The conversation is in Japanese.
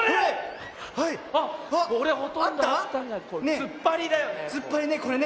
つっぱりだよね。